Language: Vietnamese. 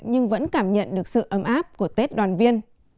nhưng vẫn cảm nhận được sự ấm áp của tết đoàn viên